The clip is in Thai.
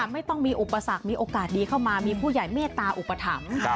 ไม่ต้องมีอุปสรรคมีโอกาสดีเข้ามามีผู้ใหญ่เมตตาอุปถัมภ์